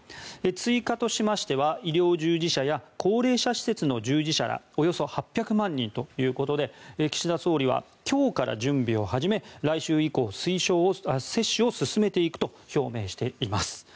追加としましては医療従事者や高齢者施設の従事者らおよそ８００万人ということで岸田総理は今日から準備を始め来週以降、接種を進めていくと表明しています。